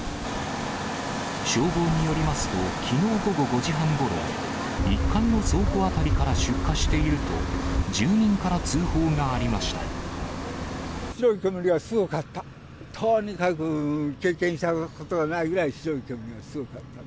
消防によりますと、きのう午後５時半ごろ、１階の倉庫辺りから出火していると、白い煙がすごかった。